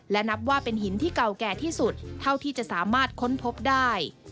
และนับว่าเป็นหินที่เก่าแก่ที่สุดเท่าที่จะสามารถค้นพบได้